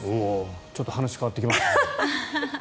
ちょっと話が変わってきますね。